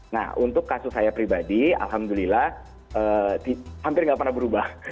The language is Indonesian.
nah untuk kasus saya pribadi alhamdulillah saya tidak mengalami perubahan